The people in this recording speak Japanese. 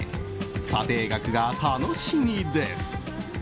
査定額が楽しみです。